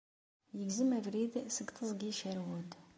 Yegzem abrid seg Teẓgi Sherwood.